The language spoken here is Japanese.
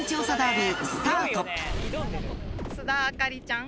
須田亜香里ちゃん。